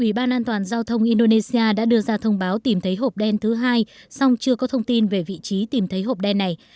ủy ban an toàn giao thông indonesia đã đưa ra thông báo tìm thấy hộp đen thứ hai song chưa có thông tin về vị trí tìm thấy hộp đen này